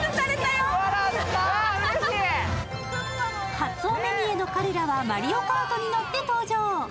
初お目見えの彼らはマリオカートに乗って登場。